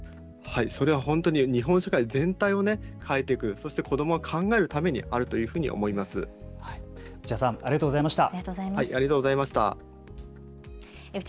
それは本当に日本社会全体を変えていく、子どもを考えるためにあると思います。